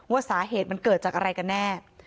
ว่าสาเหตุมันเกิดจากอะไรกันแน่